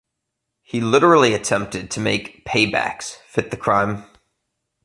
He literally attempted to make "paybacks" fit the crime.